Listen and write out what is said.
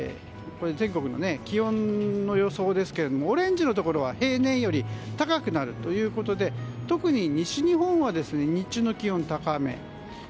全国の気温の予想ですがオレンジのところは平年より高くなるということで特に西日本は日中の気温が高め。